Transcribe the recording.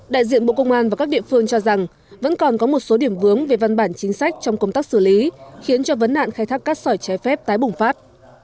đại diện bộ công an và các địa phương cho rằng vẫn còn có một số điểm vướng về văn bản chính sách trong công tác xử lý khiến cho vấn nạn khai thác cát sỏi trái phép tái bùng phát